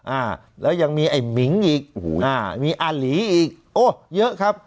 อ่าแล้วยังมีไอ้หมิงอีกโอ้โหอ่ามีอาหลีอีกโอ้เยอะครับ